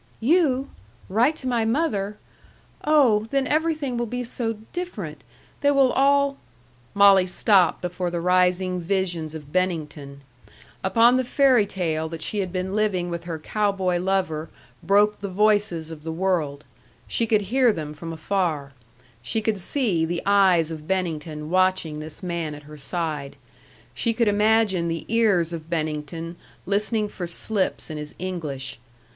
"You! Write to my mother! Oh, then everything will be so different! They will all " Molly stopped before the rising visions of Bennington. Upon the fairy tale that she had been living with her cow boy lover broke the voices of the world. She could hear them from afar. She could see the eyes of Bennington watching this man at her side. She could imagine the ears of Bennington listening for slips in his English.